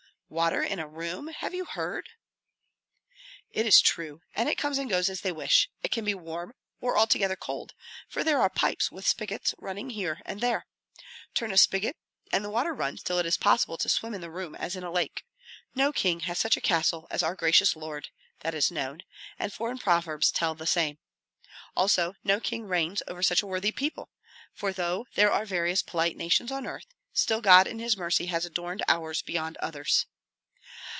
"Water, in a room have you heard?" "It is true; and it comes and goes as they wish. It can be warm or altogether cold; for there are pipes with spigots, running here and there. Turn a spigot and the water runs till it is possible to swim in the room as in a lake. No king has such a castle as our gracious lord, that is known, and foreign proverbs tell the same. Also no king reigns over such a worthy people; for though there are various polite nations on earth, still God in his mercy has adorned ours beyond others."